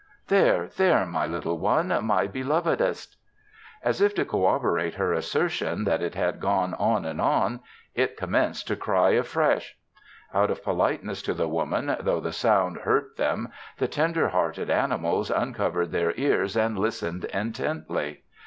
There, there my little one, my belovedest." As if to corroborate her assertion that it had gone on and on, it commenced to cry afresh. Out of politeness to the Woman, though the sound hurt them, the tenderhearted animals uncovered their ears and listened intently.